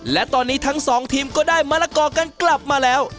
และตอนนี้ทั้งสองทีมก็ได้มะละกอกันกลับมาแล้ว